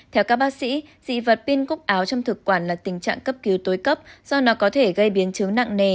theo các bác sĩ dị vật pin cúc áo trong thực quản là tình trạng cấp cứu tối cấp do nó có thể gây biến chứng nặng nề